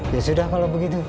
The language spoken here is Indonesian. ya sudah kalau begitu